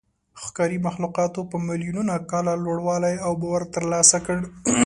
ښکاري مخلوقاتو په میلیونونو کاله لوړوالی او باور ترلاسه کړ.